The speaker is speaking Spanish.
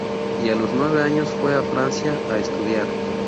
Y a los nueve años fue a Francia a estudiar.